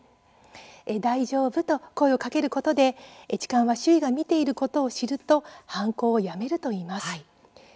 「大丈夫？」と声をかけることで痴漢は周囲が見ていることを知ると犯行をやめるといいます。